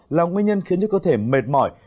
là nguyên nhân khiến cơ thể mệt mỏi